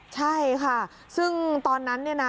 ใช่ค่ะซึ่งตอนนั้น